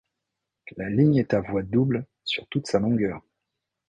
La ligne est à voie double sur toute sa longueur.